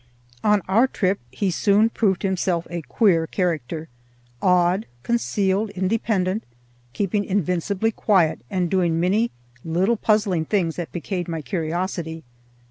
On our trip he soon proved himself a queer character—odd, concealed, independent, keeping invincibly quiet, and doing many little puzzling things that piqued my curiosity.